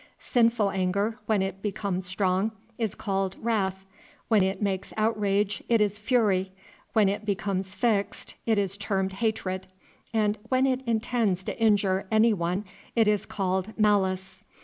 Sinful anger, when it becomes strong, is called wrath; when it makes outrage it is fury; when it becomes fixed it is termed hatred; and when it intends to injure any one it is called malice.